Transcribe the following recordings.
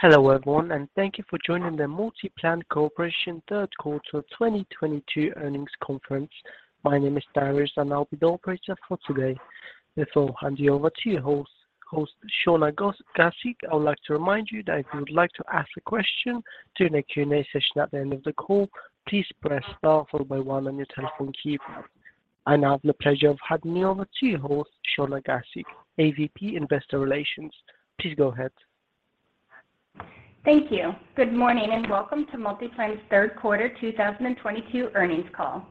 Hello, everyone, and thank you for joining the Claritev third quarter 2022 earnings conference. My name is Darius, and I'll be the operator for today. Before I hand you over to your host, Shana Gasek, I would like to remind you that if you would like to ask a question during the Q&A session at the end of the call, please press star followed by one on your telephone keypad. I now have the pleasure of handing you over to your host, Shana Gasek, AVP, Investor Relations. Please go ahead. Thank you. Good morning, and welcome to Claritev's third quarter 2022 earnings call.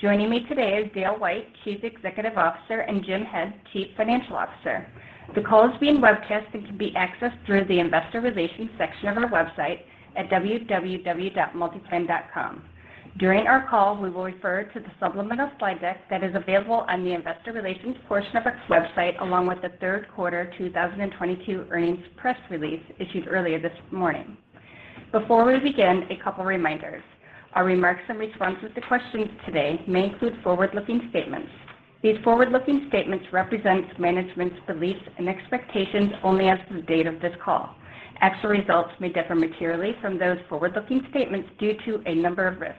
Joining me today is Dale White, Chief Executive Officer, and Jim Head, Chief Financial Officer. The call is being webcast and can be accessed through the investor relations section of our website at www.claritev.com. During our call, we will refer to the supplemental slide deck that is available on the investor relations portion of our website, along with the third quarter 2022 earnings press release issued earlier this morning. Before we begin, a couple reminders. Our remarks in response to the questions today may include forward-looking statements. These forward-looking statements represent management's beliefs and expectations only as of the date of this call. Actual results may differ materially from those forward-looking statements due to a number of risks.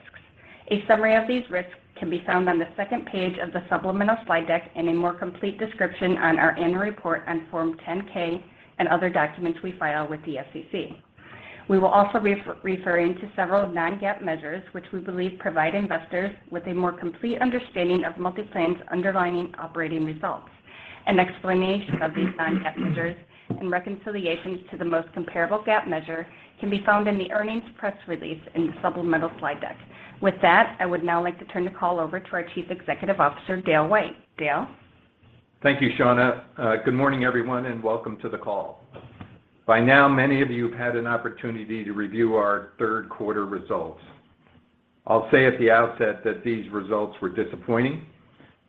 A summary of these risks can be found on the second page of the supplemental slide deck, and a more complete description on our annual report on Form 10-K and other documents we file with the SEC. We will also be referring to several non-GAAP measures, which we believe provide investors with a more complete understanding of Claritev's underlying operating results. An explanation of these non-GAAP measures and reconciliations to the most comparable GAAP measure can be found in the earnings press release in the supplemental slide deck. With that, I would now like to turn the call over to our Chief Executive Officer, Dale White. Dale? Thank you, Shana. Good morning, everyone, and welcome to the call. By now, many of you have had an opportunity to review our third quarter results. I'll say at the outset that these results were disappointing,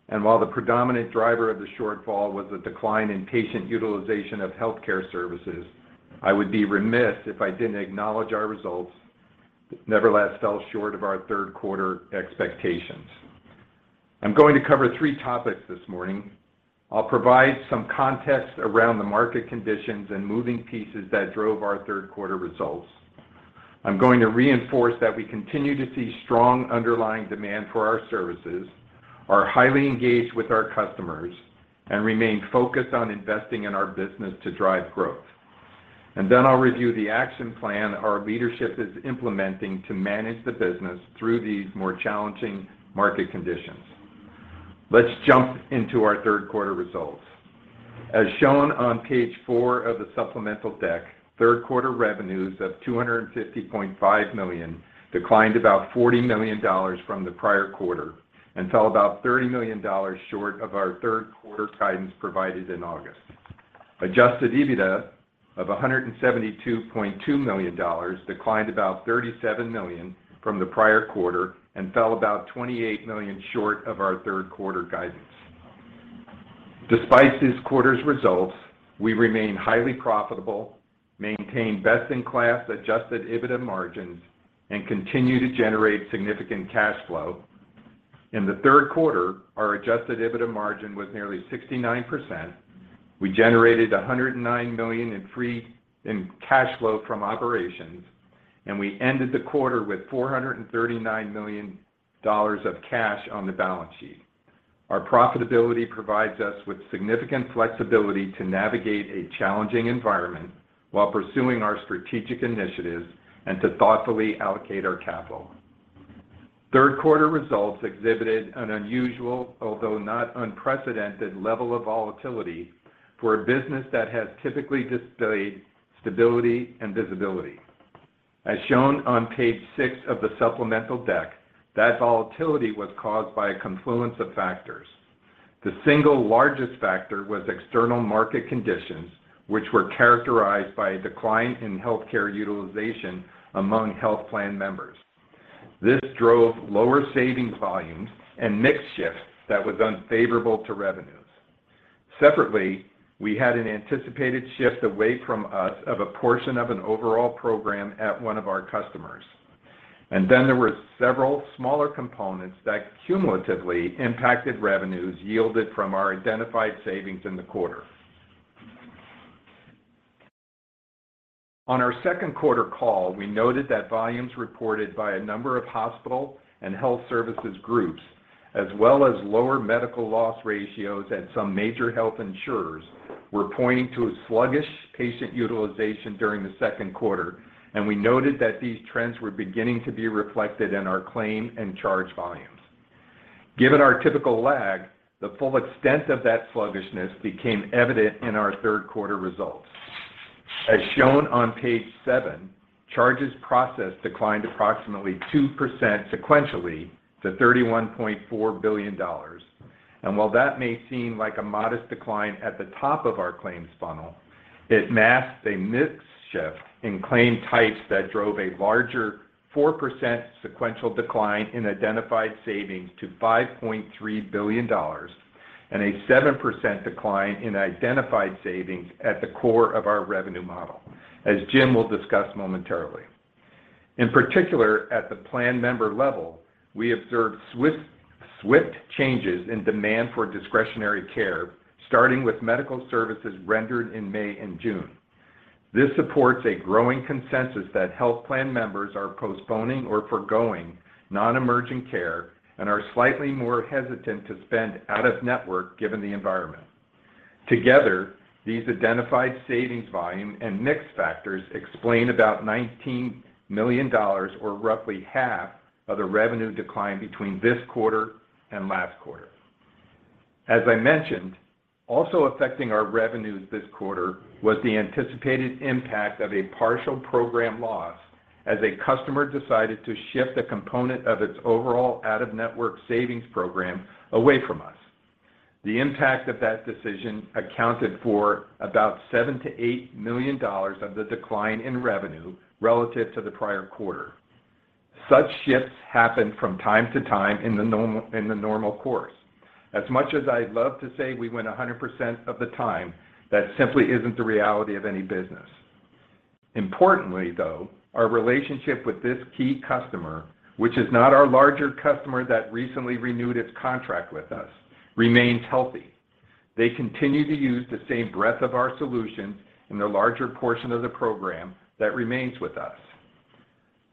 and while the predominant driver of the shortfall was a decline in patient utilization of healthcare services, I would be remiss if I didn't acknowledge our results nevertheless fell short of our third quarter expectations. I'm going to cover three topics this morning. I'll provide some context around the market conditions and moving pieces that drove our third quarter results. I'm going to reinforce that we continue to see strong underlying demand for our services, are highly engaged with our customers, and remain focused on investing in our business to drive growth. Then I'll review the action plan our leadership is implementing to manage the business through these more challenging market conditions. Let's jump into our third quarter results. As shown on page four of the supplemental deck, third quarter revenues of $250.5 million declined about $40 million from the prior quarter and fell about $30 million short of our third quarter guidance provided in August. Adjusted EBITDA of $172.2 million declined about $37 million from the prior quarter and fell about $28 million short of our third quarter guidance. Despite this quarter's results, we remain highly profitable, maintain best-in-class adjusted EBITDA margins, and continue to generate significant cash flow. In the third quarter, our adjusted EBITDA margin was nearly 69%. We generated $109 million in cash flow from operations, and we ended the quarter with $439 million of cash on the balance sheet. Our profitability provides us with significant flexibility to navigate a challenging environment while pursuing our strategic initiatives and to thoughtfully allocate our capital. Third quarter results exhibited an unusual, although not unprecedented, level of volatility for a business that has typically displayed stability and visibility. As shown on page six of the supplemental deck, that volatility was caused by a confluence of factors. The single largest factor was external market conditions, which were characterized by a decline in healthcare utilization among health plan members. This drove lower savings volumes and mix shift that was unfavorable to revenues. We had an anticipated shift away from us of a portion of an overall program at one of our customers. There were several smaller components that cumulatively impacted revenues yielded from our identified savings in the quarter. On our second quarter call, we noted that volumes reported by a number of hospital and health services groups, as well as lower medical loss ratios at some major health insurers, were pointing to a sluggish patient utilization during the second quarter, and we noted that these trends were beginning to be reflected in our claim and charge volumes. Given our typical lag, the full extent of that sluggishness became evident in our third quarter results. As shown on page seven, charges processed declined approximately 2% sequentially to $31.4 billion. While that may seem like a modest decline at the top of our claims funnel, it masks a mix shift in claim types that drove a larger 4% sequential decline in identified savings to $5.3 billion and a 7% decline in identified savings at the core of our revenue model, as Jim will discuss momentarily. In particular, at the plan member level, we observed swift changes in demand for discretionary care, starting with medical services rendered in May and June. This supports a growing consensus that health plan members are postponing or forgoing non-emergent care and are slightly more hesitant to spend out-of-network, given the environment. Together, these identified savings volume and mix factors explain about $19 million, or roughly half of the revenue decline between this quarter and last quarter. As I mentioned, also affecting our revenues this quarter was the anticipated impact of a partial program loss as a customer decided to shift a component of its overall out-of-network savings program away from us. The impact of that decision accounted for about $7 million-$8 million of the decline in revenue relative to the prior quarter. Such shifts happen from time to time in the normal course. As much as I'd love to say we win 100% of the time, that simply isn't the reality of any business. Importantly, though, our relationship with this key customer, which is not our larger customer that recently renewed its contract with us, remains healthy. They continue to use the same breadth of our solution in the larger portion of the program that remains with us.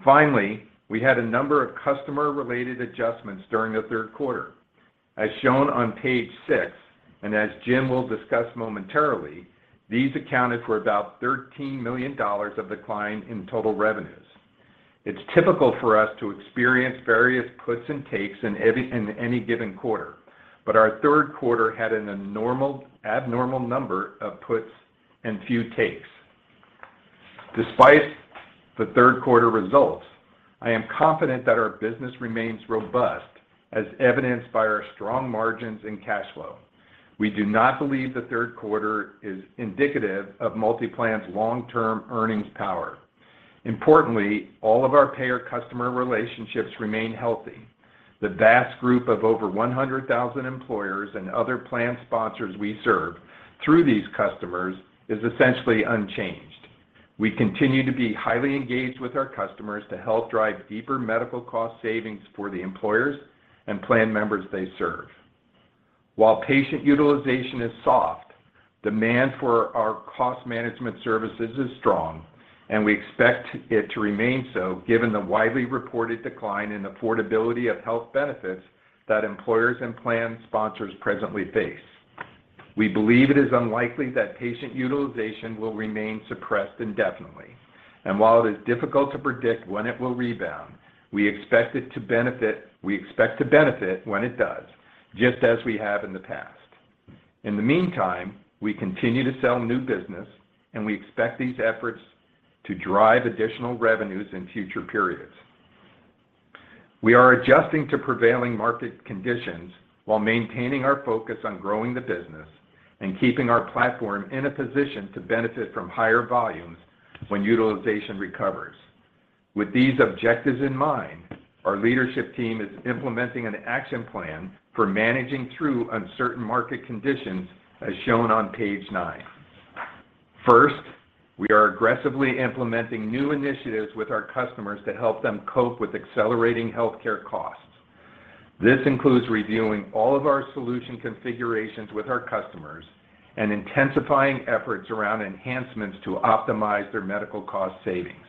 Finally, we had a number of customer-related adjustments during the third quarter. As shown on page six, and as Jim will discuss momentarily, these accounted for about $13 million of decline in total revenues. It's typical for us to experience various puts and takes in any given quarter, but our third quarter had an abnormal number of puts and few takes. Despite the third quarter results, I am confident that our business remains robust, as evidenced by our strong margins and cash flow. We do not believe the third quarter is indicative of MultiPlan's long-term earnings power. Importantly, all of our payer customer relationships remain healthy. The vast group of over 100,000 employers and other plan sponsors we serve through these customers is essentially unchanged. We continue to be highly engaged with our customers to help drive deeper medical cost savings for the employers and plan members they serve. While patient utilization is soft, demand for our cost management services is strong, and we expect it to remain so, given the widely reported decline in affordability of health benefits that employers and plan sponsors presently face. We believe it is unlikely that patient utilization will remain suppressed indefinitely. While it is difficult to predict when it will rebound, we expect to benefit when it does, just as we have in the past. In the meantime, we continue to sell new business, and we expect these efforts to drive additional revenues in future periods. We are adjusting to prevailing market conditions while maintaining our focus on growing the business and keeping our platform in a position to benefit from higher volumes when utilization recovers. With these objectives in mind, our leadership team is implementing an action plan for managing through uncertain market conditions, as shown on page nine. First, we are aggressively implementing new initiatives with our customers to help them cope with accelerating healthcare costs. This includes reviewing all of our solution configurations with our customers and intensifying efforts around enhancements to optimize their medical cost savings.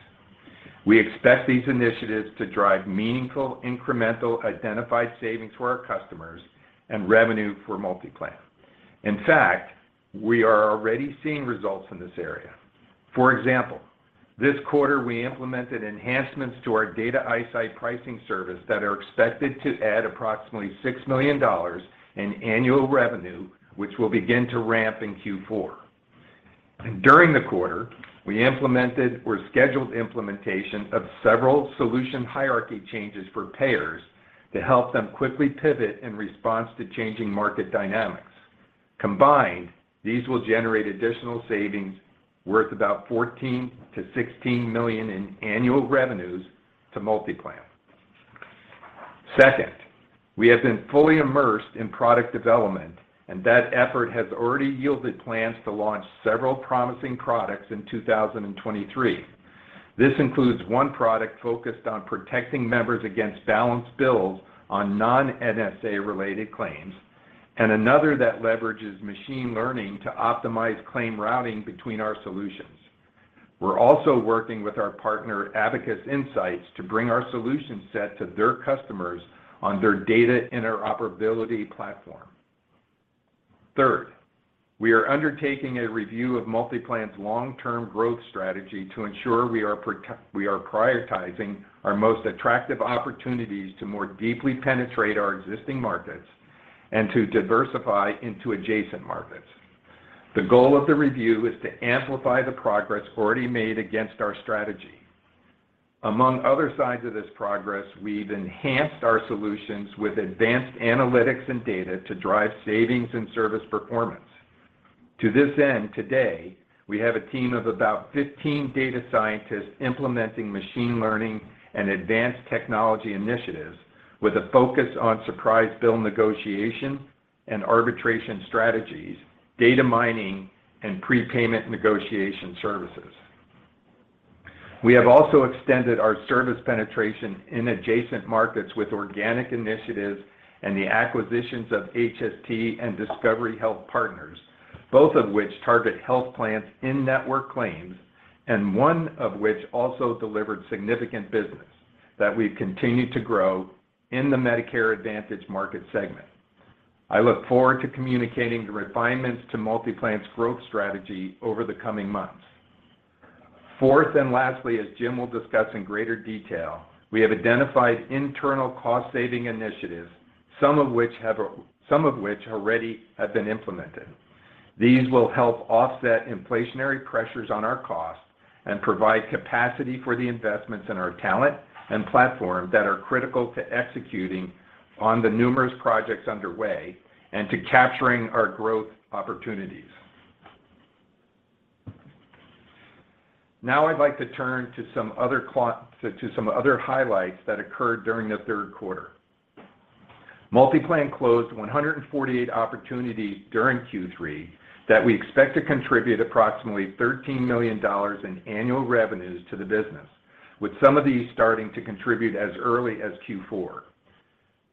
We expect these initiatives to drive meaningful, incremental identified savings for our customers and revenue for MultiPlan. In fact, we are already seeing results in this area. For example, this quarter, we implemented enhancements to our Data iSight pricing service that are expected to add approximately $6 million in annual revenue, which will begin to ramp in Q4. During the quarter, we implemented or scheduled implementation of several solution hierarchy changes for payers to help them quickly pivot in response to changing market dynamics. Combined, these will generate additional savings worth about $14 million-$16 million in annual revenues to MultiPlan. Second, we have been fully immersed in product development, and that effort has already yielded plans to launch several promising products in 2023. This includes one product focused on protecting members against balance bills on non-NSA-related claims and another that leverages machine learning to optimize claim routing between our solutions. We're also working with our partner, Abacus Insights, to bring our solution set to their customers on their data interoperability platform. Third, we are undertaking a review of MultiPlan's long-term growth strategy to ensure we are prioritizing our most attractive opportunities to more deeply penetrate our existing markets and to diversify into adjacent markets. The goal of the review is to amplify the progress already made against our strategy. Among other signs of this progress, we've enhanced our solutions with advanced analytics and data to drive savings and service performance. To this end, today, we have a team of about 15 data scientists implementing machine learning and advanced technology initiatives with a focus on surprise bill negotiation and arbitration strategies, data mining and prepayment negotiation services. We have also extended our service penetration in adjacent markets with organic initiatives and the acquisitions of HST and Discovery Health Partners, both of which target health plans in-network claims, and one of which also delivered significant business that we've continued to grow in the Medicare Advantage market segment. I look forward to communicating the refinements to MultiPlan's growth strategy over the coming months. Fourth, lastly, as Jim will discuss in greater detail, we have identified internal cost-saving initiatives, some of which already have been implemented. These will help offset inflationary pressures on our costs and provide capacity for the investments in our talent and platform that are critical to executing on the numerous projects underway and to capturing our growth opportunities. I'd like to turn to some other highlights that occurred during the third quarter. MultiPlan closed 148 opportunities during Q3 that we expect to contribute approximately $13 million in annual revenues to the business, with some of these starting to contribute as early as Q4.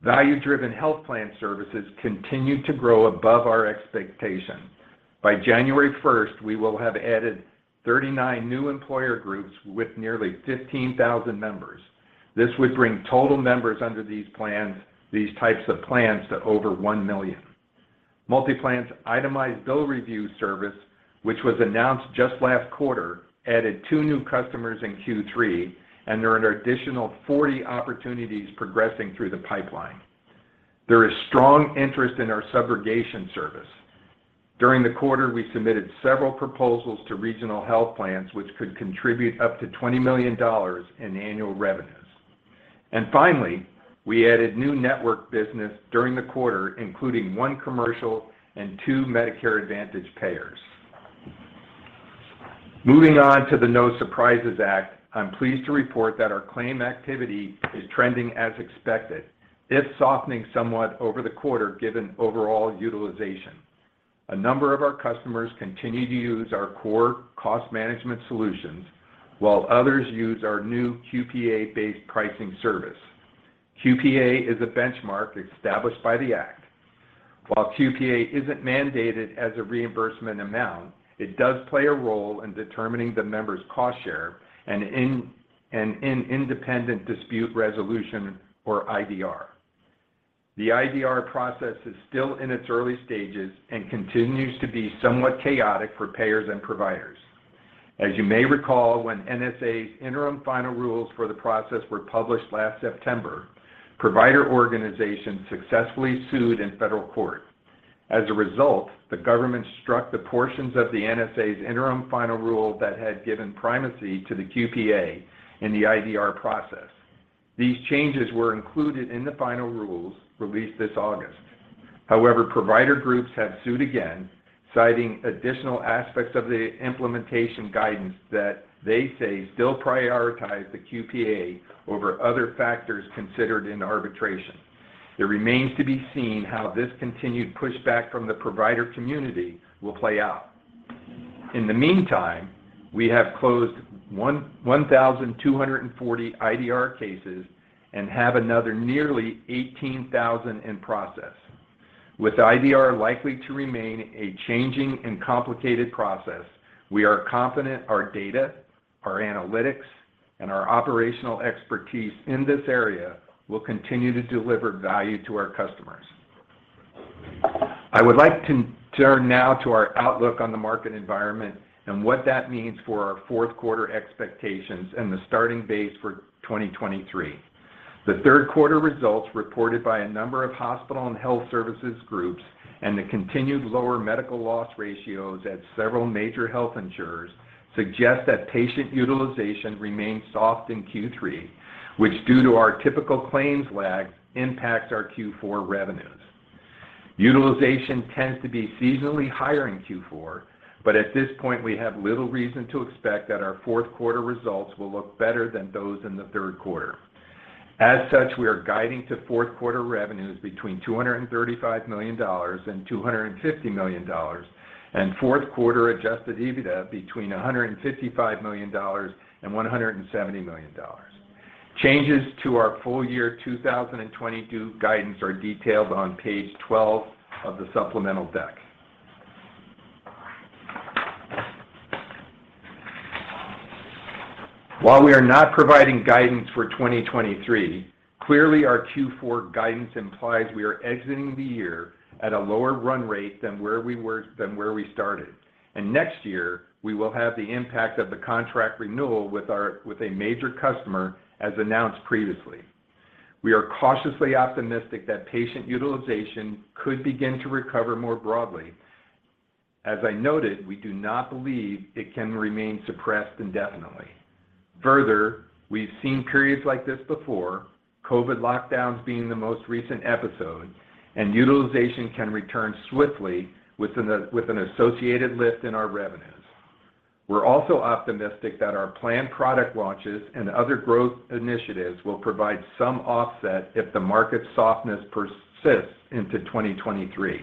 Value-driven health plan services continued to grow above our expectations. By January 1st, we will have added 39 new employer groups with nearly 15,000 members. This would bring total members under these types of plans to over one million. MultiPlan's itemized bill review service, which was announced just last quarter, added two new customers in Q3, and there are an additional 40 opportunities progressing through the pipeline. There is strong interest in our subrogation service. During the quarter, we submitted several proposals to regional health plans, which could contribute up to $20 million in annual revenues. Finally, we added new network business during the quarter, including one commercial and two Medicare Advantage payers. Moving on to the No Surprises Act, I'm pleased to report that our claim activity is trending as expected. It's softening somewhat over the quarter, given overall utilization. A number of our customers continue to use our core cost management solutions, while others use our new QPA-based pricing service. QPA is a benchmark established by the Act. While QPA isn't mandated as a reimbursement amount, it does play a role in determining the member's cost share and in Independent Dispute Resolution, or IDR. The IDR process is still in its early stages and continues to be somewhat chaotic for payers and providers. As you may recall, when NSA's interim final rules for the process were published last September, provider organizations successfully sued in federal court. As a result, the government struck the portions of the NSA's interim final rule that had given primacy to the QPA in the IDR process. These changes were included in the final rules released this August. However, provider groups have sued again, citing additional aspects of the implementation guidance that they say still prioritize the QPA over other factors considered in arbitration. It remains to be seen how this continued pushback from the provider community will play out. In the meantime, we have closed 1,240 IDR cases and have another nearly 18,000 in process. With IDR likely to remain a changing and complicated process, we are confident our data, our analytics, and our operational expertise in this area will continue to deliver value to our customers. I would like to turn now to our outlook on the market environment and what that means for our fourth quarter expectations and the starting base for 2023. The third quarter results reported by a number of hospital and health services groups and the continued lower medical loss ratios at several major health insurers suggest that patient utilization remained soft in Q3, which, due to our typical claims lag, impacts our Q4 revenues. Utilization tends to be seasonally higher in Q4, but at this point, we have little reason to expect that our fourth quarter results will look better than those in the third quarter. As such, we are guiding to fourth quarter revenues between $235 million and $250 million, and fourth quarter adjusted EBITDA between $155 million and $170 million. Changes to our full year 2022 guidance are detailed on page 12 of the supplemental deck. While we are not providing guidance for 2023, clearly our Q4 guidance implies we are exiting the year at a lower run rate than where we started, and next year, we will have the impact of the contract renewal with a major customer, as announced previously. We are cautiously optimistic that patient utilization could begin to recover more broadly. As I noted, we do not believe it can remain suppressed indefinitely. Further, we've seen periods like this before, COVID lockdowns being the most recent episode, and utilization can return swiftly with an associated lift in our revenues. We're also optimistic that our planned product launches and other growth initiatives will provide some offset if the market softness persists into 2023.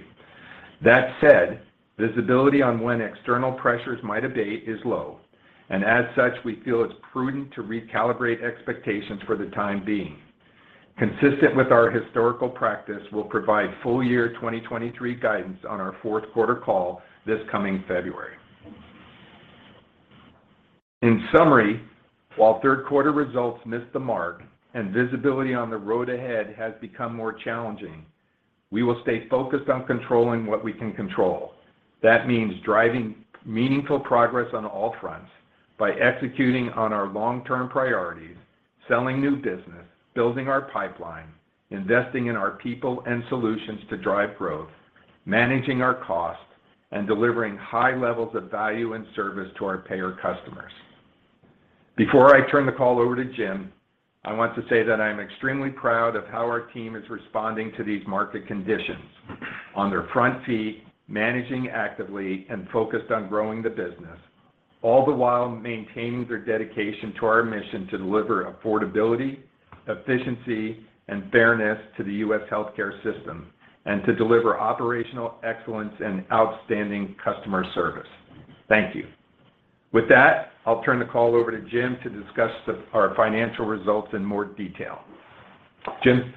That said, visibility on when external pressures might abate is low, and as such, we feel it's prudent to recalibrate expectations for the time being. Consistent with our historical practice, we'll provide full year 2023 guidance on our fourth quarter call this coming February. In summary, while third quarter results missed the mark and visibility on the road ahead has become more challenging, we will stay focused on controlling what we can control. That means driving meaningful progress on all fronts by executing on our long-term priorities, selling new business, building our pipeline, investing in our people and solutions to drive growth, managing our costs, and delivering high levels of value and service to our payer customers. Before I turn the call over to Jim, I want to say that I'm extremely proud of how our team is responding to these market conditions. On their front feet, managing actively and focused on growing the business, all the while maintaining their dedication to our mission to deliver affordability, efficiency, and fairness to the U.S. healthcare system, and to deliver operational excellence and outstanding customer service. Thank you. With that, I'll turn the call over to Jim to discuss our financial results in more detail. Jim?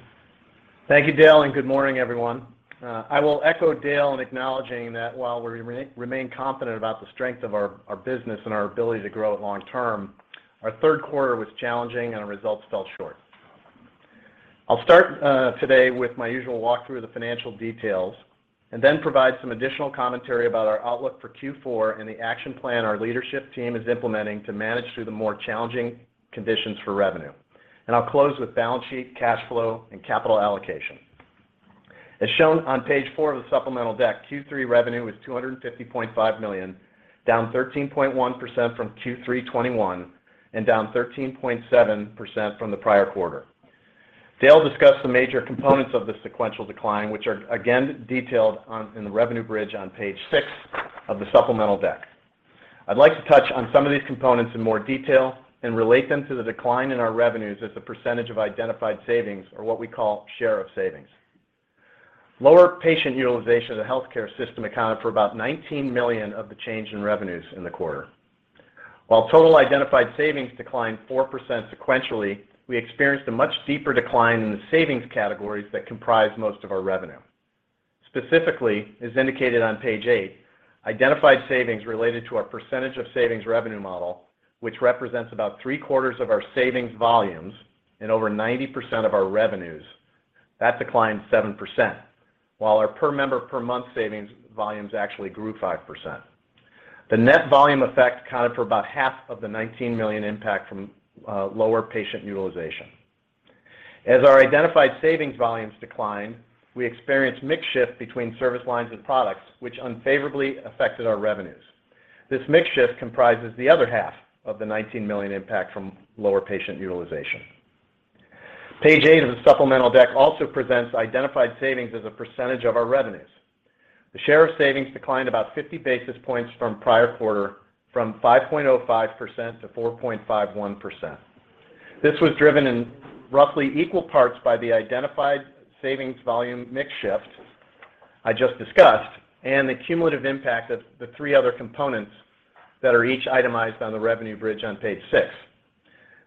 Thank you, Dale, Good morning, everyone. I will echo Dale in acknowledging that while we remain confident about the strength of our business and our ability to grow it long term, our third quarter was challenging and our results fell short. I'll start today with my usual walkthrough of the financial details, then provide some additional commentary about our outlook for Q4 and the action plan our leadership team is implementing to manage through the more challenging conditions for revenue. I'll close with balance sheet, cash flow, and capital allocation. As shown on page four of the supplemental deck, Q3 revenue was $250.5 million, down 13.1% from Q3 2021, down 13.7% from the prior quarter. Dale discussed the major components of this sequential decline, which are again detailed in the revenue bridge on page six of the supplemental deck. I'd like to touch on some of these components in more detail and relate them to the decline in our revenues as a percentage of identified savings, or what we call share of savings. Lower patient utilization of the healthcare system accounted for about $19 million of the change in revenues in the quarter. While total identified savings declined 4% sequentially, we experienced a much deeper decline in the savings categories that comprise most of our revenue. Specifically, as indicated on page eight, identified savings related to our percentage of savings revenue model, which represents about three quarters of our savings volumes and over 90% of our revenues, that declined 7%, while our per member per month savings volumes actually grew 5%. The net volume effect accounted for about half of the $19 million impact from lower patient utilization. As our identified savings volumes declined, we experienced mix shift between service lines and products, which unfavorably affected our revenues. This mix shift comprises the other half of the $19 million impact from lower patient utilization. Page eight of the supplemental deck also presents identified savings as a percentage of our revenues. The share of savings declined about 50 basis points from prior quarter, from 5.05% to 4.51%. This was driven in roughly equal parts by the identified savings volume mix shift I just discussed, and the cumulative impact of the three other components that are each itemized on the revenue bridge on page six.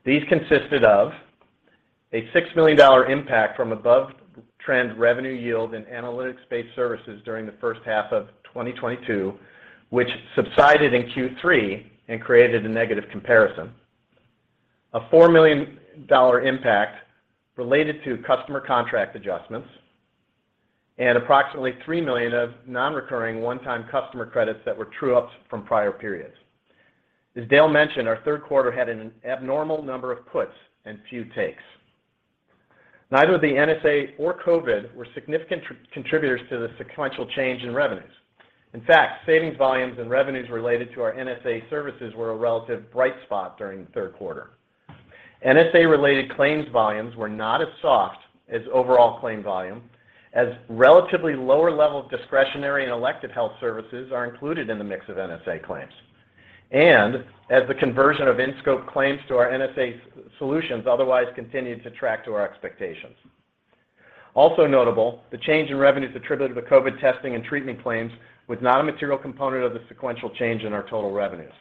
These consisted of a $6 million impact from above trend revenue yield in analytics-based services during the first half of 2022, which subsided in Q3 and created a negative comparison. A $4 million impact related to customer contract adjustments, and approximately $3 million of non-recurring one-time customer credits that were true-ups from prior periods. As Dale mentioned, our third quarter had an abnormal number of puts and few takes. Neither the NSA or COVID were significant contributors to the sequential change in revenues. In fact, savings volumes and revenues related to our NSA services were a relative bright spot during the third quarter. NSA-related claims volumes were not as soft as overall claim volume, as relatively lower level of discretionary and elective health services are included in the mix of NSA claims. As the conversion of in-scope claims to our NSA solutions otherwise continued to track to our expectations. Also notable, the change in revenues attributed to COVID testing and treatment claims was not a material component of the sequential change in our total revenues.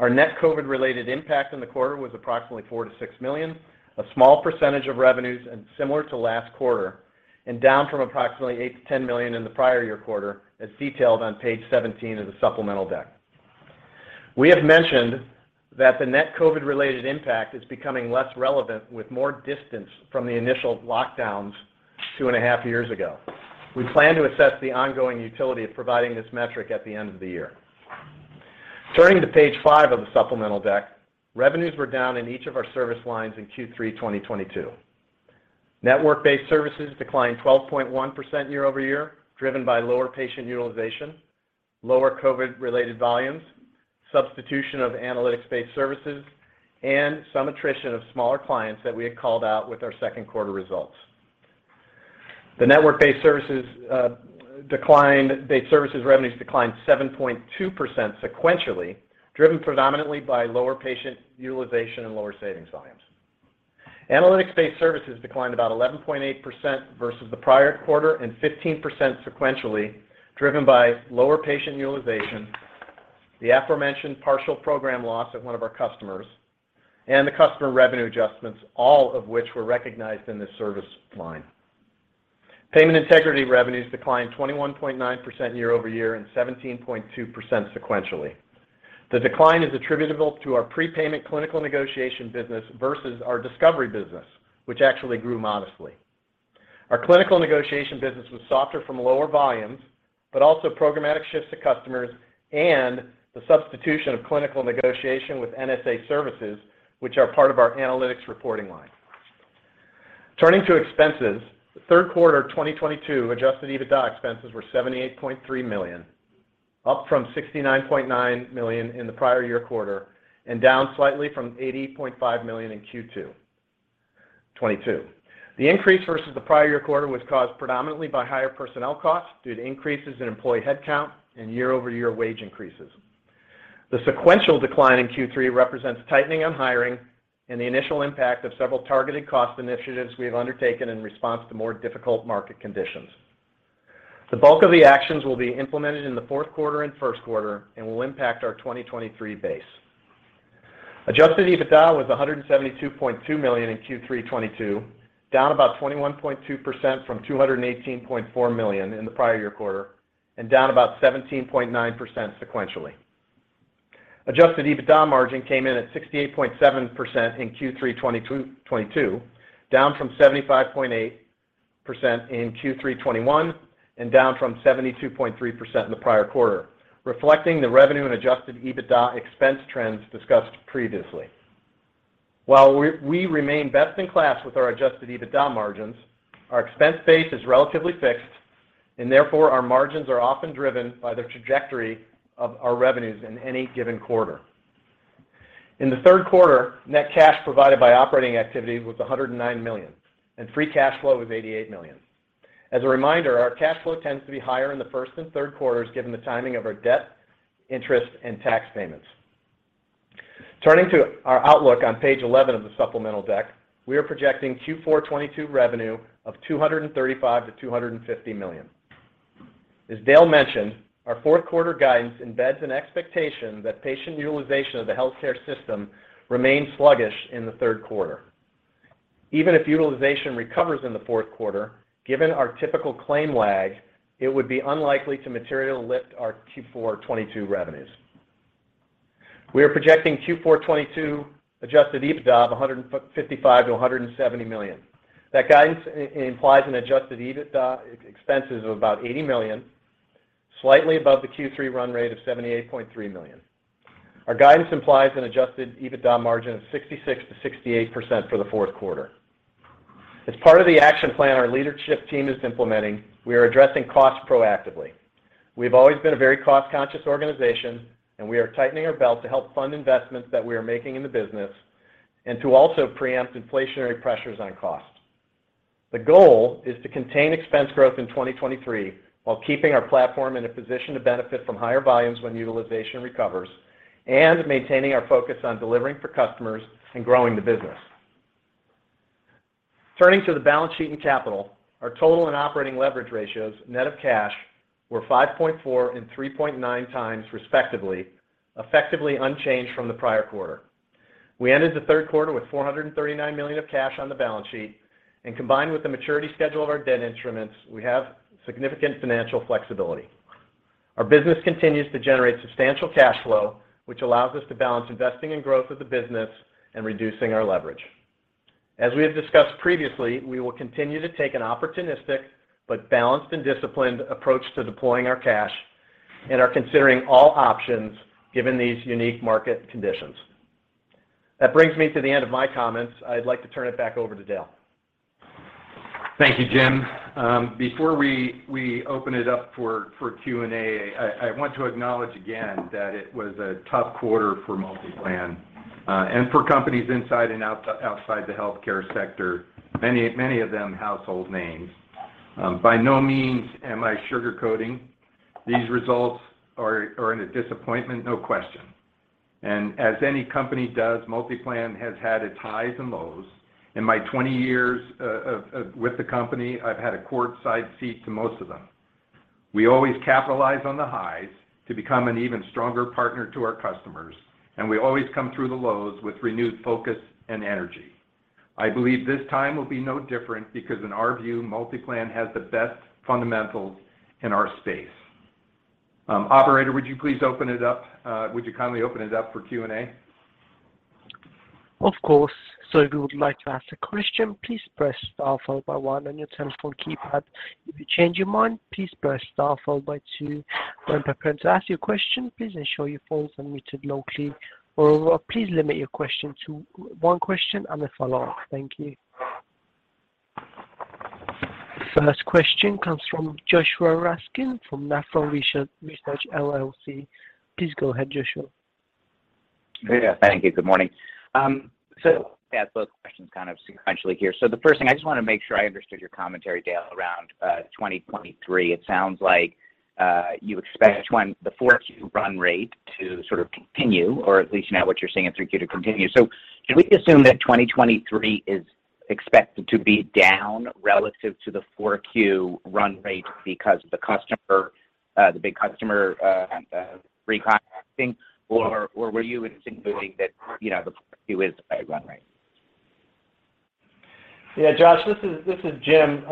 Our net COVID-related impact in the quarter was approximately $4 million-$6 million, a small percentage of revenues and similar to last quarter, and down from approximately $8 million-$10 million in the prior year quarter, as detailed on page 17 of the supplemental deck. We have mentioned that the net COVID-related impact is becoming less relevant with more distance from the initial lockdowns two and a half years ago. We plan to assess the ongoing utility of providing this metric at the end of the year. Turning to page 5 of the supplemental deck, revenues were down in each of our service lines in Q3 2022. Network-based services declined 12.1% year-over-year, driven by lower patient utilization, lower COVID-related volumes, substitution of analytics-based services, and some attrition of smaller clients that we had called out with our second quarter results. The network-based services revenues declined 7.2% sequentially, driven predominantly by lower patient utilization and lower savings volumes. Analytics-based services declined about 11.8% versus the prior quarter and 15% sequentially, driven by lower patient utilization, the aforementioned partial program loss at one of our customers, and the customer revenue adjustments, all of which were recognized in this service line. Payment integrity revenues declined 21.9% year-over-year and 17.2% sequentially. The decline is attributable to our prepayment clinical negotiation business versus our discovery business, which actually grew modestly. Our clinical negotiation business was softer from lower volumes, but also programmatic shifts to customers and the substitution of clinical negotiation with NSA services, which are part of our analytics reporting line. Turning to expenses, the third quarter 2022 adjusted EBITDA expenses were $78.3 million, up from $69.9 million in the prior year quarter, and down slightly from $80.5 million in Q2 2022. The increase versus the prior year quarter was caused predominantly by higher personnel costs, due to increases in employee headcount and year-over-year wage increases. The sequential decline in Q3 represents tightening on hiring and the initial impact of several targeted cost initiatives we have undertaken in response to more difficult market conditions. The bulk of the actions will be implemented in the fourth quarter and first quarter and will impact our 2023 base. Adjusted EBITDA was $172.2 million in Q3 2022, down about 21.2% from $218.4 million in the prior year quarter, and down about 17.9% sequentially. Adjusted EBITDA margin came in at 68.7% in Q3 2022, down from 75.8% in Q3 2021, and down from 72.3% in the prior quarter, reflecting the revenue and adjusted EBITDA expense trends discussed previously. While we remain best in class with our adjusted EBITDA margins, our expense base is relatively fixed and therefore our margins are often driven by the trajectory of our revenues in any given quarter. In the third quarter, net cash provided by operating activity was $109 million, and free cash flow was $88 million. As a reminder, our cash flow tends to be higher in the first and third quarters given the timing of our debt, interest, and tax payments. Turning to our outlook on page 11 of the supplemental deck, we are projecting Q4 2022 revenue of $235 million-$250 million. As Dale mentioned, our fourth quarter guidance embeds an expectation that patient utilization of the healthcare system remained sluggish in the third quarter. Even if utilization recovers in the fourth quarter, given our typical claim lag, it would be unlikely to materially lift our Q4 2022 revenues. We are projecting Q4 2022 adjusted EBITDA of $155 million-$170 million. That guidance implies an adjusted EBITDA expenses of about $80 million, slightly above the Q3 run rate of $78.3 million. Our guidance implies an adjusted EBITDA margin of 66%-68% for the fourth quarter. As part of the action plan our leadership team is implementing, we are addressing costs proactively. We've always been a very cost-conscious organization, and we are tightening our belt to help fund investments that we are making in the business and to also preempt inflationary pressures on costs. The goal is to contain expense growth in 2023 while keeping our platform in a position to benefit from higher volumes when utilization recovers, maintaining our focus on delivering for customers and growing the business. Turning to the balance sheet and capital, our total and operating leverage ratios net of cash were 5.4 and 3.9 times respectively, effectively unchanged from the prior quarter. We ended the third quarter with $439 million of cash on the balance sheet. Combined with the maturity schedule of our debt instruments, we have significant financial flexibility. Our business continues to generate substantial cash flow, which allows us to balance investing in growth of the business and reducing our leverage. As we have discussed previously, we will continue to take an opportunistic but balanced and disciplined approach to deploying our cash and are considering all options given these unique market conditions. That brings me to the end of my comments. I'd like to turn it back over to Dale. Thank you, Jim. Before we open it up for Q&A, I want to acknowledge again that it was a tough quarter for Claritev, and for companies inside and outside the healthcare sector, many of them household names. By no means am I sugarcoating. These results are a disappointment, no question. As any company does, Claritev has had its highs and lows. In my 20 years with the company, I've had a courtside seat to most of them. We always capitalize on the highs to become an even stronger partner to our customers, and we always come through the lows with renewed focus and energy. I believe this time will be no different because in our view, Claritev has the best fundamentals in our space. Operator, would you kindly open it up for Q&A? Of course. If you would like to ask a question, please press star followed by one on your telephone keypad. If you change your mind, please press star followed by two. When preparing to ask your question, please ensure your phones are muted locally. Moreover, please limit your question to one question and a follow-up. Thank you. First question comes from Joshua Raskin from Nephron Research LLC. Please go ahead, Joshua. Yeah. Thank you. Good morning. I'll ask both questions kind of sequentially here. The first thing, I just want to make sure I understood your commentary, Dale, around 2023. It sounds like you expect the 4Q run rate to sort of continue, or at least now what you're seeing in 3Q to continue. Can we assume that 2023 is expected to be down relative to the 4Q run rate because of the big customer recontracting, or were you insinuating that the run rate? Yeah, Josh, this is Jim.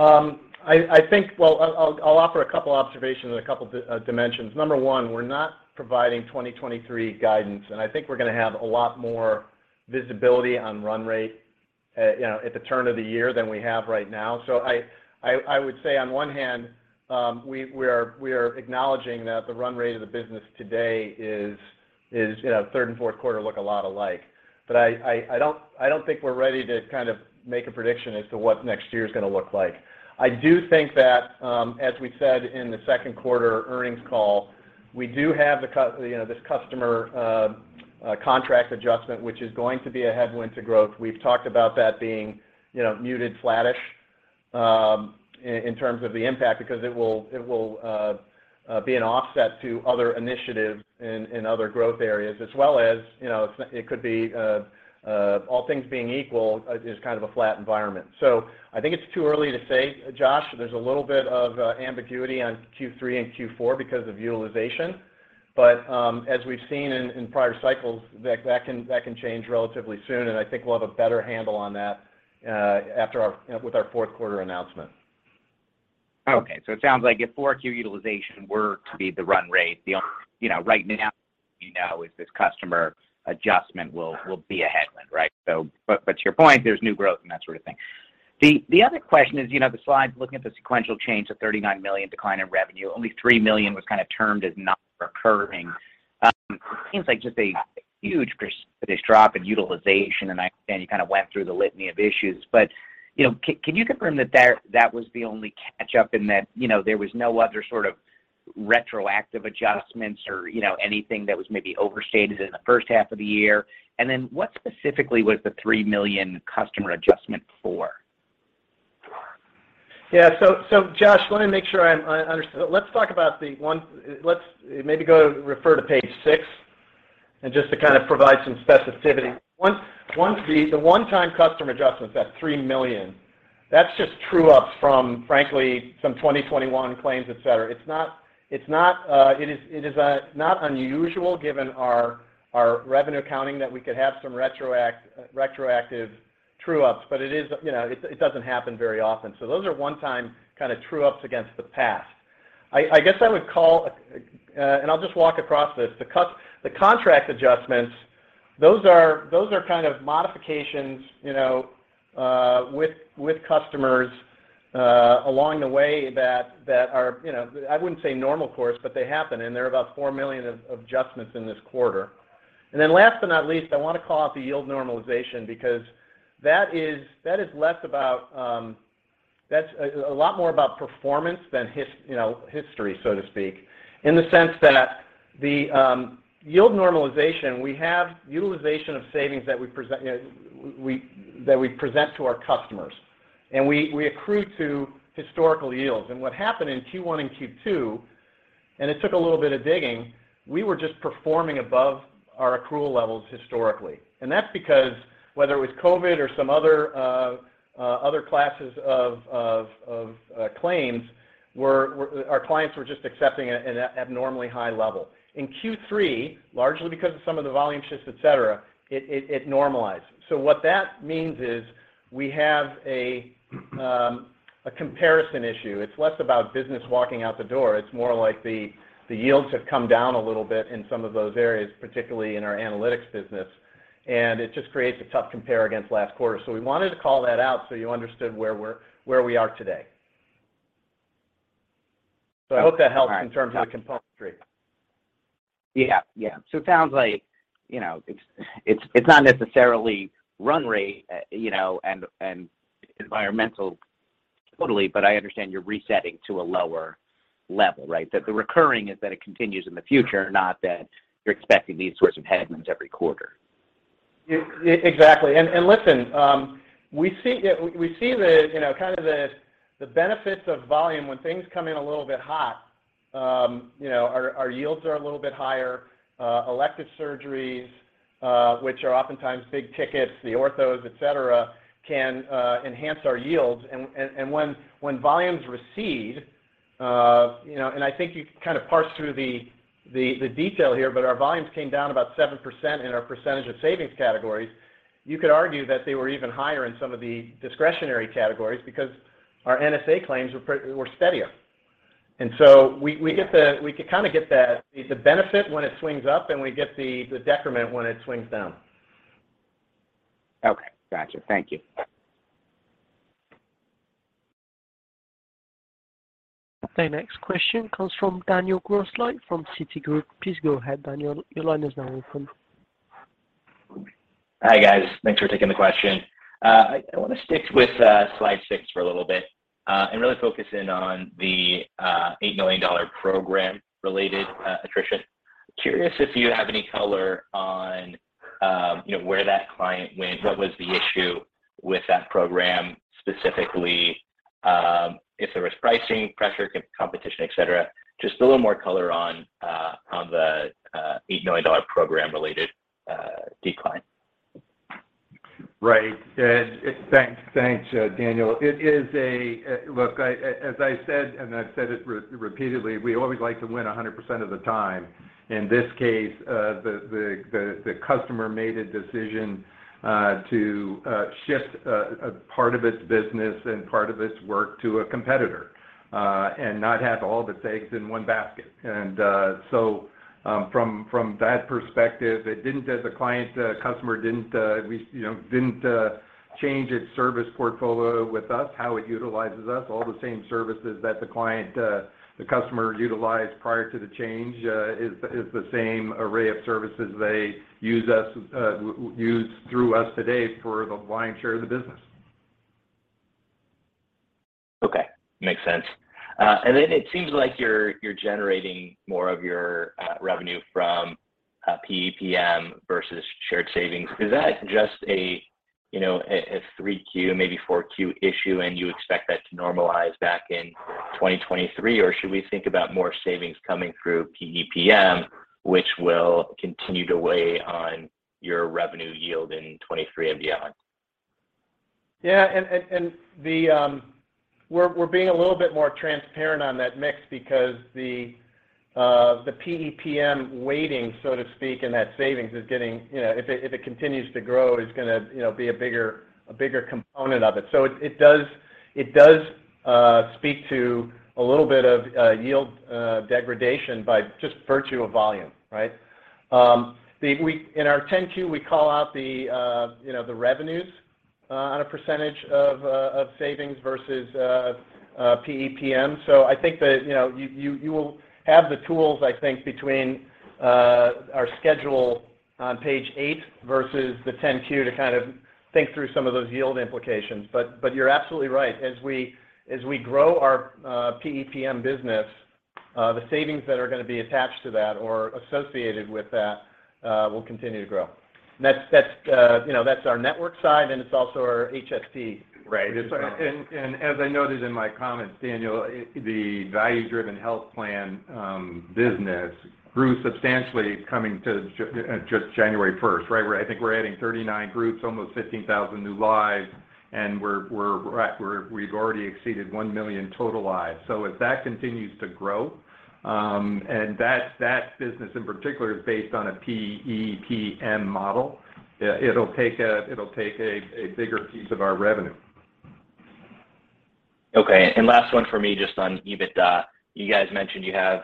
I think I'll offer a couple observations and a couple dimensions. Number one, we're not providing 2023 guidance, and I think we're going to have a lot more visibility on run rate at the turn of the year than we have right now. I would say on one hand, we are acknowledging that the run rate of the business today is third and fourth quarter look a lot alike. I don't think we're ready to make a prediction as to what next year's going to look like. I do think that, as we said in the second quarter earnings call, we do have this customer contract adjustment, which is going to be a headwind to growth. We've talked about that being muted, flattish, in terms of the impact because it will be an offset to other initiatives in other growth areas as well as it could be all things being equal is kind of a flat environment. I think it's too early to say, Josh. There's a little bit of ambiguity on Q3 and Q4 because of utilization. As we've seen in prior cycles, that can change relatively soon, and I think we'll have a better handle on that with our fourth quarter announcement. Okay, it sounds like if 4Q utilization were to be the run rate, the only right now is this customer adjustment will be a headwind, right? To your point, there's new growth and that sort of thing. The other question is, the slides looking at the sequential change to $39 million decline in revenue, only $3 million was kind of termed as not recurring. It seems like just a huge precipitous drop in utilization, and I understand you kind of went through the litany of issues. Can you confirm that that was the only catch-up, and that there was no other sort of retroactive adjustments or anything that was maybe overstated in the first half of the year? And then what specifically was the $3 million customer adjustment for? Yeah. Josh, let me make sure I understand. Let's maybe refer to page six and just to kind of provide some specificity. The one-time customer adjustments, that $3 million, that's just true-ups from, frankly, some 2021 claims, et cetera. It is not unusual given our revenue accounting that we could have some retroactive true-ups, but it doesn't happen very often. Those are one-time true-ups against the past. I guess I would call, and I'll just walk across this. The contract adjustments, those are kind of modifications with customers along the way that are, I wouldn't say normal course, but they happen, and there are about $4 million of adjustments in this quarter. Last but not least, I want to call out the yield normalization because that is a lot more about performance than history, so to speak, in the sense that the yield normalization, we have utilization of savings that we present to our customers, and we accrue to historical yields. What happened in Q1 and Q2, and it took a little bit of digging, we were just performing above our accrual levels historically. That's because whether it was COVID or some other classes of claims, our clients were just accepting it at an abnormally high level. In Q3, largely because of some of the volume shifts, et cetera, it normalized. What that means is we have a comparison issue. It's less about business walking out the door. It's more like the yields have come down a little bit in some of those areas, particularly in our analytics business, and it just creates a tough compare against last quarter. We wanted to call that out so you understood where we are today. I hope that helps in terms of the componentry. It sounds like it's not necessarily run rate, and environmental totally, but I understand you're resetting to a lower level, right? That the recurring is that it continues in the future, not that you're expecting these sorts of headwinds every quarter. Exactly. Listen, we see the benefits of volume when things come in a little bit hot. Our yields are a little bit higher. Elective surgeries, which are oftentimes big tickets, the orthos, et cetera, can enhance our yields. When volumes recede, and I think you kind of parsed through the detail here, but our volumes came down about 7% in our percentage of savings categories. You could argue that they were even higher in some of the discretionary categories because our NSA claims were steadier. We could kind of get the benefit when it swings up and we get the detriment when it swings down. Okay. Gotcha. Thank you. The next question comes from Daniel Grosslight from Citigroup. Please go ahead, Daniel. Your line is now open. Hi, guys. Thanks for taking the question. I want to stick with slide six for a little bit and really focus in on the $8 million program-related attrition. Curious if you have any color on where that client went, what was the issue with that program specifically, if there was pricing pressure, competition, et cetera. Just a little more color on the $8 million program-related decline. Right. Thanks, Daniel. Look, as I said, and I've said it repeatedly, we always like to win 100% of the time. In this case, the customer made a decision to shift a part of its business and part of its work to a competitor, and not have all of its eggs in one basket. From that perspective, the customer didn't change its service portfolio with us, how it utilizes us. All the same services that the customer utilized prior to the change is the same array of services they use through us today for the lion's share of the business. Okay. Makes sense. It seems like you're generating more of your revenue from PEPM versus shared savings. Is that just a 3Q, maybe 4Q issue, and you expect that to normalize back in 2023, or should we think about more savings coming through PEPM, which will continue to weigh on your revenue yield in 2023 and beyond? Yeah, we're being a little bit more transparent on that mix because the PEPM weighting, so to speak, in that savings, if it continues to grow, is going to be a bigger component of it. It does speak to a little bit of yield degradation by just virtue of volume, right? In our 10-Q, we call out the revenues on a percentage of savings versus PEPM. I think that you will have the tools, I think, between our schedule on page eight versus the 10-Q to think through some of those yield implications. You're absolutely right. As we grow our PEPM business, the savings that are going to be attached to that or associated with that will continue to grow. That's our network side, and it's also our HST. Right. As I noted in my comments, Daniel, the value-driven health plan business grew substantially coming to just January 1st, right? Where I think we're adding 39 groups, almost 15,000 new lives, and we've already exceeded 1 million total lives. As that continues to grow, and that business in particular is based on a PEPM model, it'll take a bigger piece of our revenue. Last one for me, just on EBITDA. You guys mentioned you have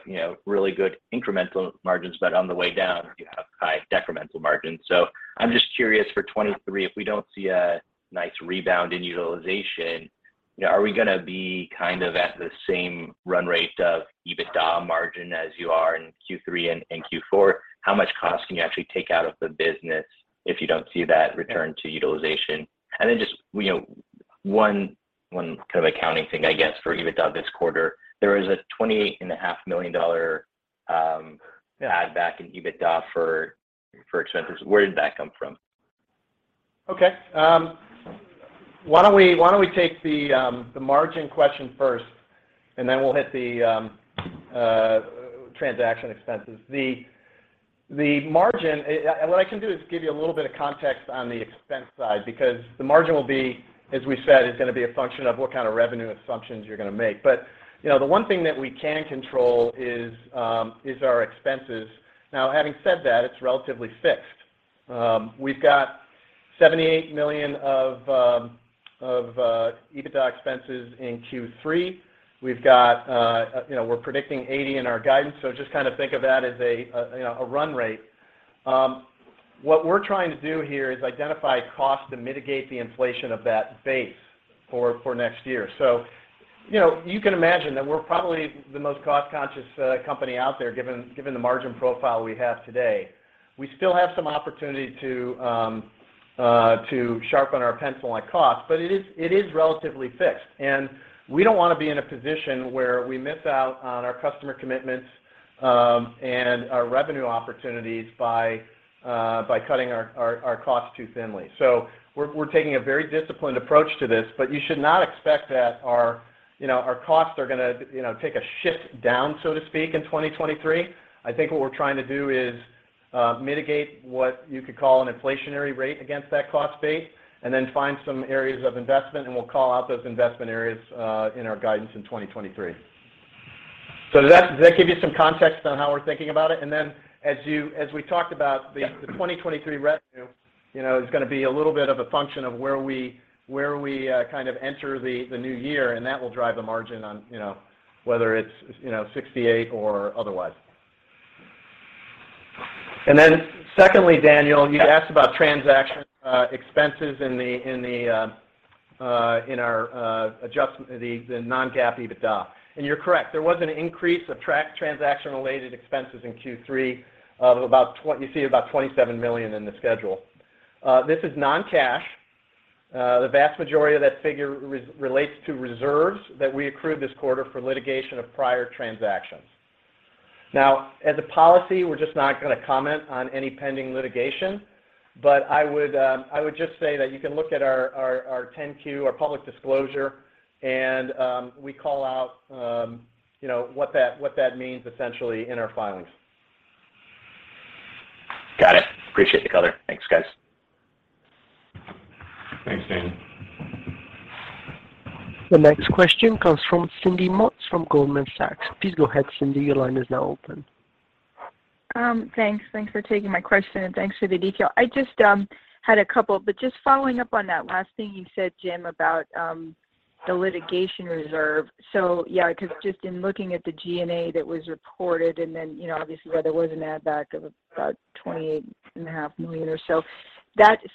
really good incremental margins, on the way down, you have high decremental margins. I'm just curious for 2023, if we don't see a nice rebound in utilization, are we going to be at the same run rate of EBITDA margin as you are in Q3 and Q4? How much cost can you actually take out of the business if you don't see that return to utilization? Just one kind of accounting thing, I guess, for EBITDA this quarter. There was a $28.5 million add back in EBITDA for expenses. Where did that come from? Why don't we take the margin question first, we'll hit the transaction expenses. The margin, what I can do is give you a little bit of context on the expense side, because the margin will be, as we said, is going to be a function of what kind of revenue assumptions you're going to make. The one thing that we can control is our expenses. Having said that, it's relatively fixed. We've got $78 million of EBITDA expenses in Q3. We're predicting $80 million in our guidance, just kind of think of that as a run rate. What we're trying to do here is identify costs to mitigate the inflation of that base for next year. You can imagine that we're probably the most cost-conscious company out there, given the margin profile we have today. We still have some opportunity to sharpen our pencil on costs, it is relatively fixed. We don't want to be in a position where we miss out on our customer commitments and our revenue opportunities by cutting our costs too thinly. We're taking a very disciplined approach to this, you should not expect that our costs are going to take a shift down, so to speak, in 2023. I think what we're trying to do is mitigate what you could call an inflationary rate against that cost base, find some areas of investment, we'll call out those investment areas in our guidance in 2023. Does that give you some context on how we're thinking about it? As we talked about, the 2023 revenue is going to be a little bit of a function of where we kind of enter the new year, and that will drive the margin on whether it's 68 or otherwise. Secondly, Daniel, you'd asked about transaction expenses. In our adjustment, the non-GAAP EBITDA. You're correct, there was an increase of transaction-related expenses in Q3 of about $27 million in the schedule. This is non-cash. The vast majority of that figure relates to reserves that we accrued this quarter for litigation of prior transactions. As a policy, we're just not going to comment on any pending litigation. I would just say that you can look at our 10-Q, our public disclosure, and we call out what that means, essentially, in our filings. Got it. Appreciate the color. Thanks, guys. Thanks, Danny. The next question comes from Cindy Motz from Goldman Sachs. Please go ahead, Cindy, your line is now open. Thanks for taking my question, and thanks for the detail. I just had a couple, just following up on that last thing you said, Jim, about the litigation reserve. Yeah, because just in looking at the G&A that was reported, then, obviously where there was an add back of about $28.5 million or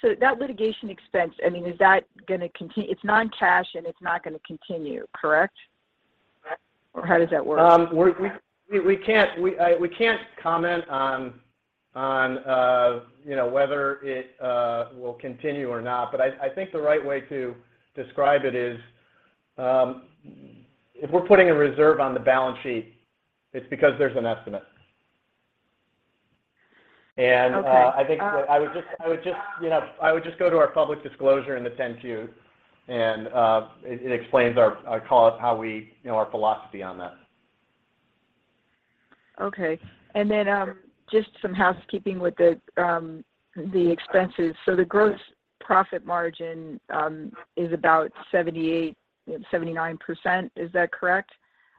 so. That litigation expense, it's non-cash, and it's not going to continue, correct? Or how does that work? We can't comment on whether it will continue or not. I think the right way to describe it is, if we're putting a reserve on the balance sheet, it's because there's an estimate. Okay. I think I would just go to our public disclosure in the 10-Q, and it explains our philosophy on that. Okay. Just some housekeeping with the expenses. The gross profit margin is about 78%, 79%, is that correct?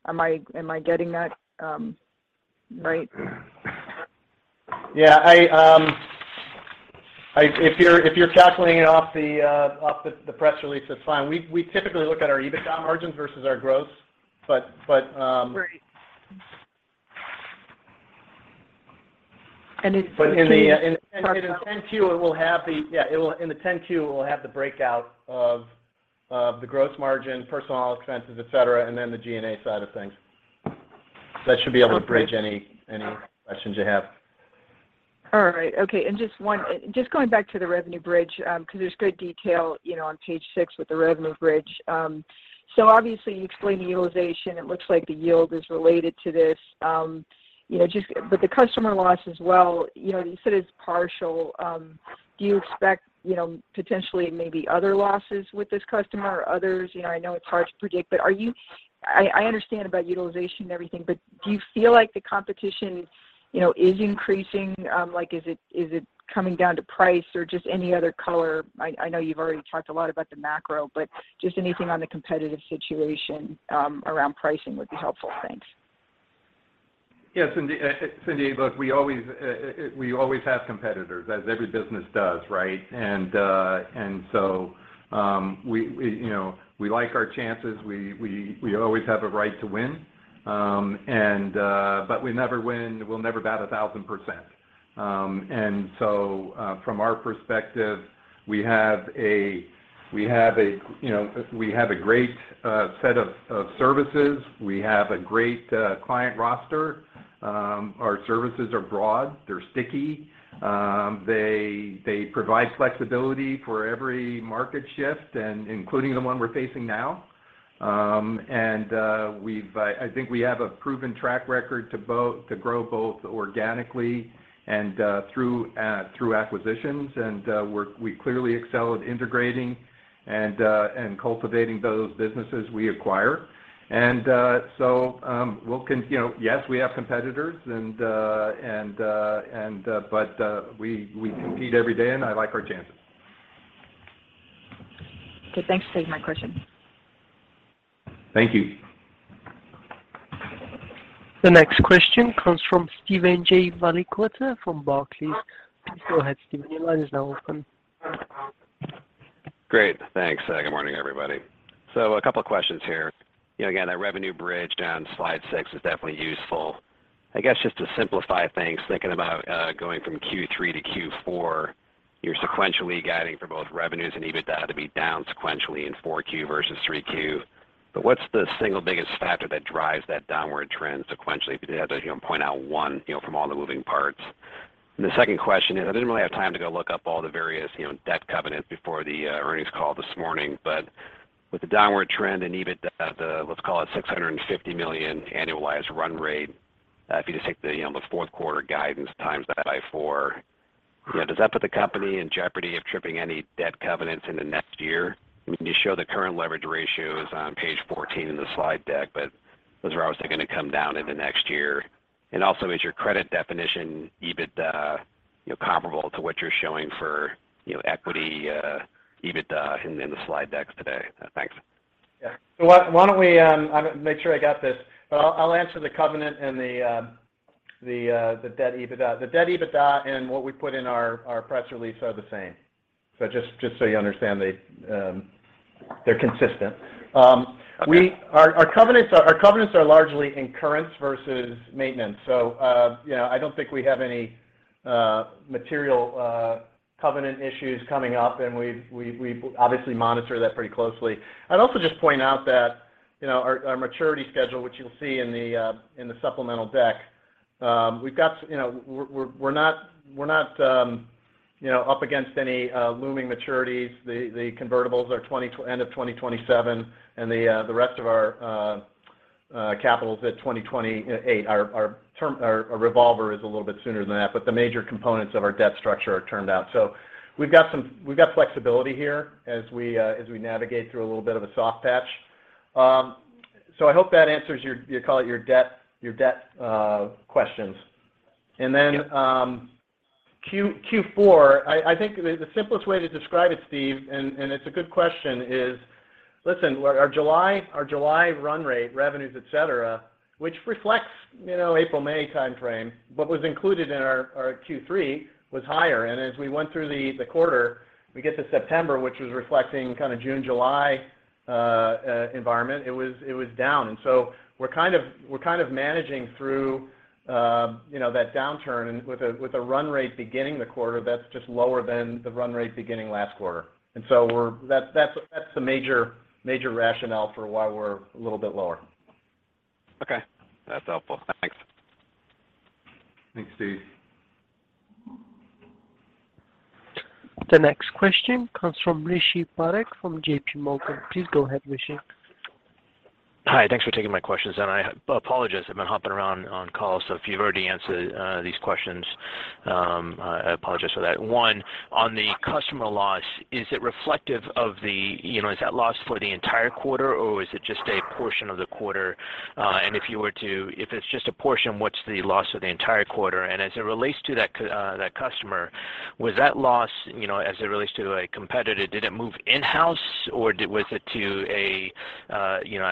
Am I getting that right? Yeah. If you're calculating it off the press release, that's fine. We typically look at our EBITDA margins versus our gross. Right. In the 10-Q, it will have the breakout of the gross margin, personnel expenses, et cetera, the G&A side of things. That should be able to bridge any questions you have. All right. Okay, just one. Just going back to the revenue bridge, because there's great detail on page six with the revenue bridge. Obviously, you explain the utilization. It looks like the yield is related to this. The customer loss as well, you said it's partial. Do you expect potentially maybe other losses with this customer or others? I know it's hard to predict. I understand about utilization and everything, but do you feel like the competition is increasing? Is it coming down to price or just any other color? I know you've already talked a lot about the macro, but just anything on the competitive situation around pricing would be helpful. Thanks. Yeah, Cindy, look, we always have competitors as every business does, right? We like our chances. We always have a right to win. We'll never bat 1,000%. From our perspective, we have a great set of services. We have a great client roster. Our services are broad. They're sticky. They provide flexibility for every market shift including the one we're facing now. I think we have a proven track record to grow both organically and through acquisitions. We clearly excel at integrating and cultivating those businesses we acquire. Yes, we have competitors, but we compete every day, and I like our chances. Okay, thanks. That's my question. Thank you. The next question comes from Steven J. Valiquette from Barclays. Please go ahead, Steven, your line is now open. Great. Thanks. Good morning, everybody. A couple questions here. Again, that revenue bridge on slide six is definitely useful. I guess, just to simplify things, thinking about going from Q3 to Q4, you're sequentially guiding for both revenues and EBITDA to be down sequentially in 4Q versus 3Q. What's the single biggest factor that drives that downward trend sequentially, if you had to point out one from all the moving parts? The second question is, I didn't really have time to go look up all the various debt covenants before the earnings call this morning, but with the downward trend in EBITDA, the, let's call it $650 million annualized run rate, if you just take the fourth quarter guidance times that by four. Does that put the company in jeopardy of tripping any debt covenants into next year? You show the current leverage ratios on page 14 in the slide deck, those are obviously going to come down into next year. Also, is your credit definition EBITDA comparable to what you're showing for equity EBITDA in the slide decks today? Thanks. Yeah. I'm going to make sure I got this. I'll answer the covenant and the debt EBITDA. The debt EBITDA and what we put in our press release are the same. Just so you understand, they're consistent. Okay. Our covenants are largely incurrence versus maintenance. I don't think we have any material covenant issues coming up, we obviously monitor that pretty closely. I'd also just point out that our maturity schedule, which you'll see in the supplemental deck, we're not up against any looming maturities. The convertibles are end of 2027, the rest of our capital's at 2028. Our revolver is a little bit sooner than that, the major components of our debt structure are termed out. We've got flexibility here as we navigate through a little bit of a soft patch. I hope that answers your debt questions. Yep. Q4, I think the simplest way to describe it, Steve, it's a good question, listen, our July run rate revenues, et cetera, which reflects April-May timeframe, what was included in our Q3 was higher. As we went through the quarter, we get to September, which was reflecting kind of June-July environment, it was down. We're kind of managing through that downturn and with a run rate beginning the quarter that's just lower than the run rate beginning last quarter. That's the major rationale for why we're a little bit lower. That's helpful. Thanks. Thanks, Steve. The next question comes from Rishi Parekh from JPMorgan. Please go ahead, Rishi. Hi. Thanks for taking my questions. I apologize, I've been hopping around on calls, so if you've already answered these questions, I apologize for that. One, on the customer loss, Is that loss for the entire quarter or is it just a portion of the quarter? If it's just a portion, what's the loss of the entire quarter? As it relates to that customer, was that loss, as it relates to a competitor, did it move in-house or was it to a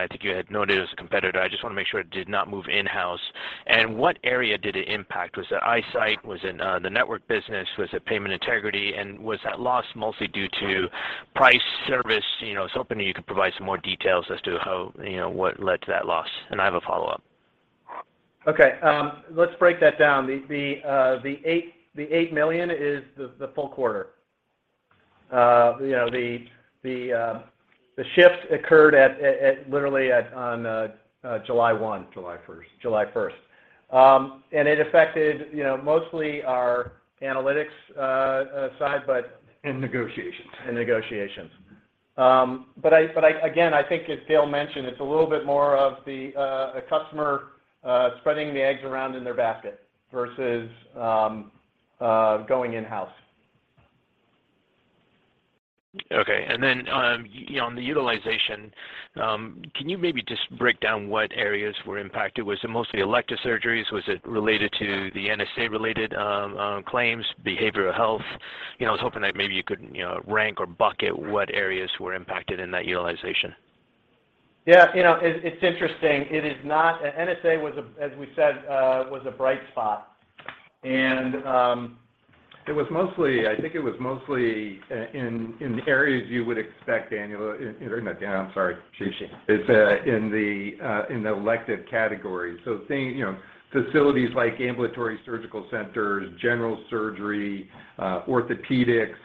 I think you had noted it was a competitor. I just want to make sure it did not move in-house. What area did it impact? Was it iSight, was it the network business, was it payment integrity, and was that loss mostly due to price, service? I was hoping you could provide some more details as to what led to that loss. I have a follow-up. Okay. Let's break that down. The $8 million is the full quarter. The shift occurred literally on July 1. July 1st. July 1st. It affected mostly our analytics side. Negotiations. Negotiations. Again, I think as Dale mentioned, it's a little bit more of a customer spreading the eggs around in their basket versus going in-house. Okay. On the utilization, can you maybe just break down what areas were impacted? Was it mostly elective surgeries? Was it related to the NSA-related claims, behavioral health? I was hoping that maybe you could rank or bucket what areas were impacted in that utilization. Yeah. It's interesting. NSA, as we said, was a bright spot. I think it was mostly in the areas you would expect, Daniel. Or no, Dan, I'm sorry. Rishi. It's in the elective category. Facilities like ambulatory surgical centers, general surgery, orthopedics,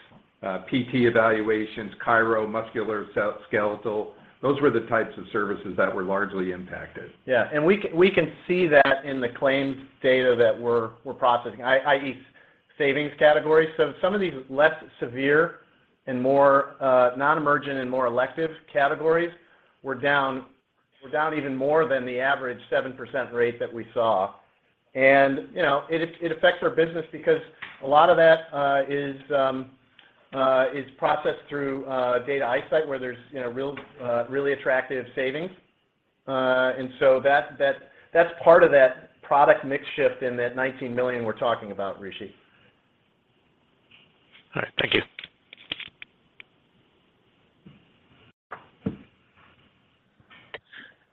PT evaluations, chiro, musculoskeletal. Those were the types of services that were largely impacted. Yeah. We can see that in the claims data that we're processing, i.e. savings categories. Some of these less severe and more non-emergent and more elective categories were down even more than the average 7% rate that we saw. It affects our business because a lot of that is processed through Data iSight, where there's really attractive savings. That's part of that product mix shift in that $19 million we're talking about, Rishi. All right. Thank you.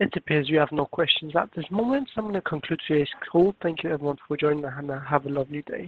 It appears we have no questions at this moment, so I'm going to conclude today's call. Thank you everyone for joining, and have a lovely day.